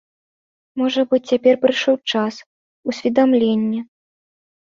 Можа быць, цяпер прыйшоў час, усведамленне.